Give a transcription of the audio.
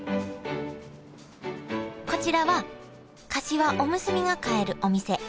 こちらはかしわおむすびが買えるお店。